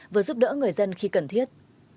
vừa giúp đỡ người dân khi cần thiết